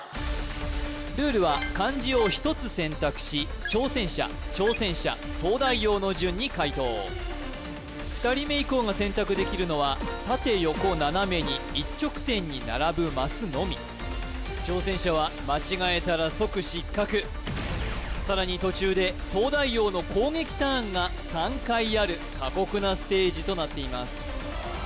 ルールは漢字を１つ選択し挑戦者挑戦者東大王の順に解答２人目以降が選択できるのは縦横斜めに一直線に並ぶマスのみ挑戦者は間違えたら即失格さらに途中で東大王の攻撃ターンが３回ある過酷なステージとなっています